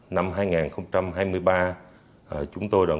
năm hai nghìn hai mươi ba chúng tôi đã